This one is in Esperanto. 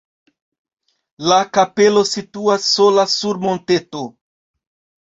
La kapelo situas sola sur monteto.